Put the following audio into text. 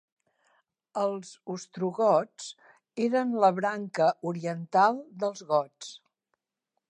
Els ostrogots eren la branca oriental dels gots.